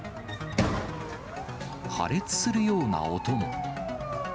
破裂するような音も。